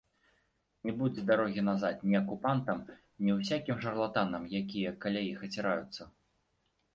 Не будзе дарогі назад ні акупантам, ні ўсякім шарлатанам, якія каля іх аціраюцца!